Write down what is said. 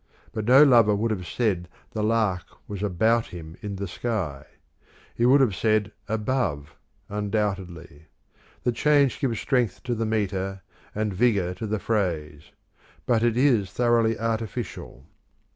But no lover would have said the lark was " about " him in the sky. He would have said " above " undoubtedly. The change gives strength to the metre, and vigour to the phrase ; but it is thoroughly artificial.